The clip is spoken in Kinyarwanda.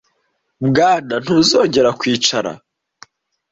Bwana ntuzongera kwicara?